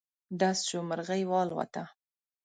ډز شو، مرغی والوته.